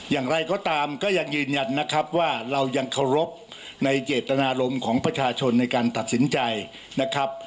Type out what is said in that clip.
อย่างไรก็ตามก็ยังยืนยันนะครับว่าเรายังเคารพในเจตนารมณ์ของประชาชนในการตัดสินใจนะครับ